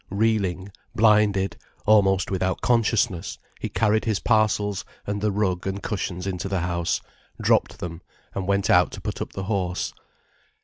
Reeling, blinded, almost without consciousness he carried his parcels and the rug and cushions into the house, dropped them, and went out to put up the horse.